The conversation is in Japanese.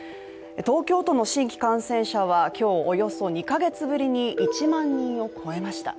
東京都の新規感染者は今日およそ２か月ぶりに１万人を超えました。